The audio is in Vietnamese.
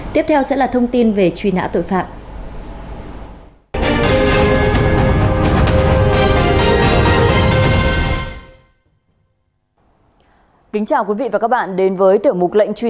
tiếp theo sẽ là thông tin về truy nã tội phạm